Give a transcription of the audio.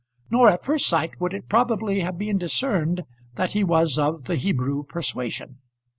Nor at first sight would it probably have been discerned that he was of the Hebrew persuasion.